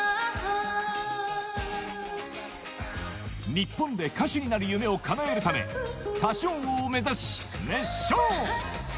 日本で歌手になる夢をかなえるため歌唱王を目指し熱唱